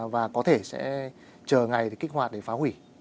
và có thể sẽ chờ ngày thì kích hoạt để phá hủy